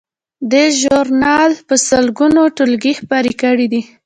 دې ژورنال په سلګونو ټولګې خپرې کړې دي.